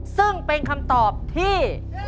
ซึ่งเป็นคำตอบที่